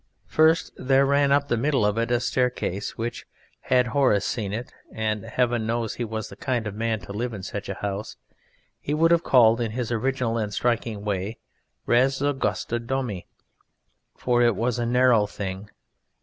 First, there ran up the middle of it a staircase which, had Horace seen it (and heaven knows he was the kind of man to live in such a house), he would have called in his original and striking way "Res Angusta Domi," for it was a narrow thing.